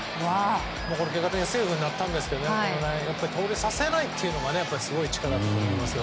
結果的にはセーフになったんですが盗塁をさせないのがすごい力だと思います。